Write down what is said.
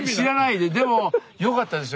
でもよかったですよ